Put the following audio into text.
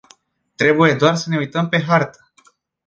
Trebuie doar să ne uităm pe hartă.